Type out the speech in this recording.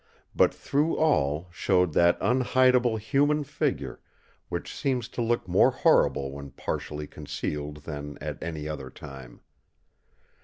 But through all, showed that unhidable human figure, which seems to look more horrible when partially concealed than at any other time.